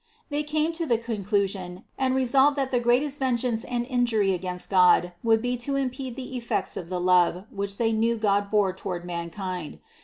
They came to the conclusion and resolved that the greatest vengeance and injury against God would be to impede the effects of the love, which they knew God bore toward mankind.